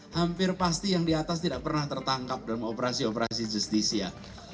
hampir pasti yang di atas tidak pernah tertangkap dalam operasi operasi justisia